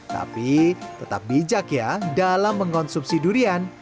tapi tetap bijak ya dalam mengkonsumsi durian